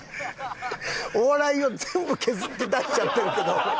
お笑いを全部削って出しちゃってるけど。